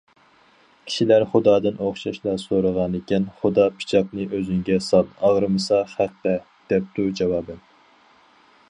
كىشىلەر خۇدادىن ئوخشاشلا سورىغانىكەن، خۇدا:« پىچاقنى ئۆزۈڭگە سال، ئاغرىمىسا خەققە» دەپتۇ جاۋابەن.